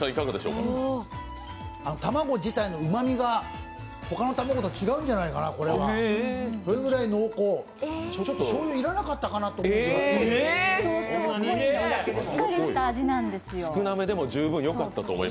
卵自体のうまみが他の卵と違うんじゃないかな、それぐらい濃厚、しょうゆ要らなかったなと思うぐらい。